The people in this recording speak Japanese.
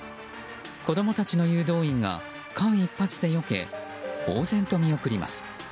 子供たちの誘導員が間一髪でよけぼうぜんと見送ります。